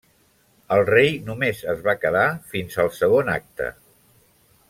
El rei només es va quedar fins al segon acte.